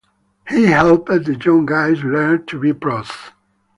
He helped the young guys learn to be pros.